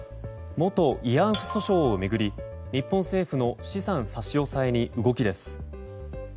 元慰安婦訴訟を巡り日本政府の資産差し押さえに動きです。